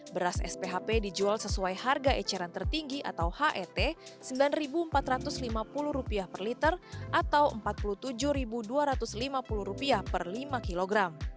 beras sphp dijual sesuai harga eceran tertinggi atau het rp sembilan empat ratus lima puluh per liter atau rp empat puluh tujuh dua ratus lima puluh per lima kg